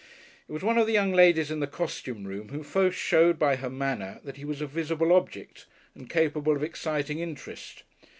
It was one of the young ladies in the costume room who first showed by her manner that he was a visible object and capable of exciting interest.